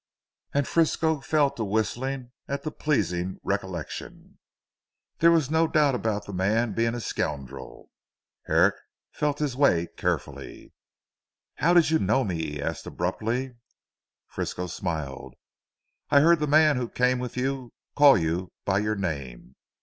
And Frisco fell to whistling at the pleasing recollection. There was no doubt about the man being a scoundrel. Herrick felt his way carefully. "How did you know me?" he asked abruptly. Frisco smiled, "I heard the man who came with you, call you by your name.